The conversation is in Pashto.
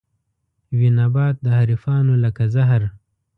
وي نبات د حريفانو لکه زهر